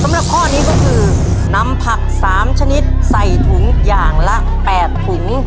โจทย์สำหรับข้อนี้ก็คือน้ำผักสามชนิดใส่ถุงอย่างละแปดถุง